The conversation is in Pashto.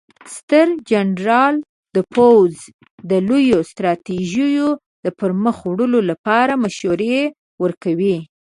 ستر جنرال د پوځ د لویو ستراتیژیو د پرمخ وړلو لپاره مشورې ورکوي.